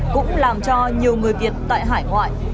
cũng làm cho nhiều người việt tại hải ngoại